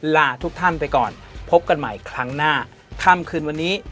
ลาทุกท่านไปก่อนพบกันใหม่ครั้งหน้าค่ำคืนวันนี้